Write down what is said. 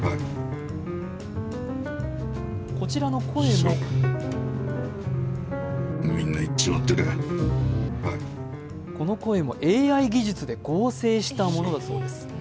こちらの声もこの声もＡＩ技術で合成したものだそうです。